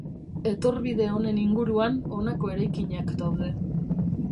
Etorbide honen inguruan honako eraikinak daude.